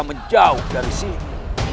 menjauh dari sini